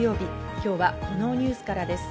今日はこのニュースからです。